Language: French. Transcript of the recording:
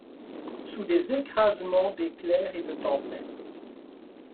Sous des écrasements d’éclairs et de tempête ?